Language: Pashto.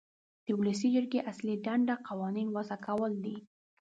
د ولسي جرګې اصلي دنده قوانین وضع کول دي.